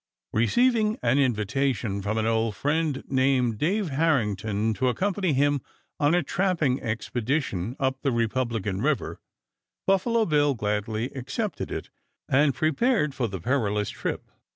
Receiving an invitation from an old friend named Dave Harrington to accompany him on a trapping expedition up the Republican River, Buffalo Bill gladly accepted it, and prepared for the perilous trip.